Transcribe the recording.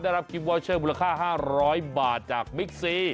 รับกิมวอเชอร์มูลค่า๕๐๐บาทจากบิ๊กซี